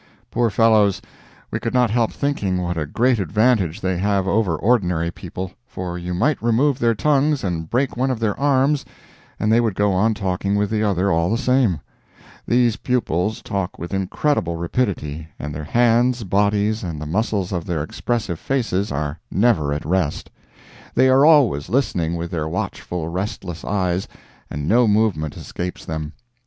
Poor fellows; we could not help thinking what a great advantage they have over ordinary people, for you might remove their tongues and break one of their arms, and they would go on talking with the other all the same. These pupils talk with incredible rapidity, and their hands, bodies, and the muscles of their expressive faces are never at rest. They are always listening with their watchful, restless eyes, and no movement escapes them.